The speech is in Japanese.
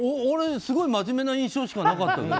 俺、すごい真面目な印象しかなかった。